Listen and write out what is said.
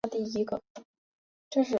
张敬安是中国共产党党员。